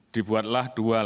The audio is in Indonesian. dibuatlah dua laporan